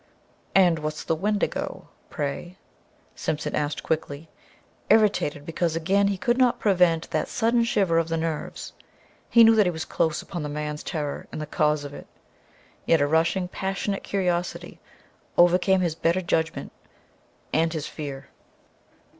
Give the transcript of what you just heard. "And what's the Wendigo, pray?" Simpson asked quickly, irritated because again he could not prevent that sudden shiver of the nerves. He knew that he was close upon the man's terror and the cause of it. Yet a rushing passionate curiosity overcame his better judgment, and his fear.